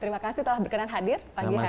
terima kasih telah berkenan hadir pagi hari ini